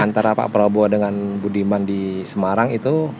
antara pak prabowo dengan budiman di semarang itu